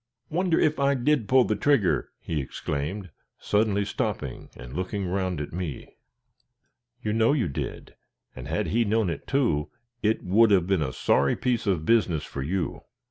"Wonder if I did pull the trigger!" he exclaimed, suddenly stopping and looking round at me. "You know you did, and had he known it, too, it would have been a sorry piece of business for you.